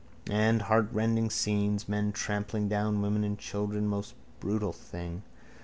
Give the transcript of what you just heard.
And heartrending scenes. Men trampling down women and children. Most brutal thing.